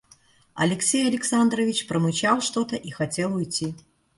Алексей Александрович промычал что-то и хотел уйти.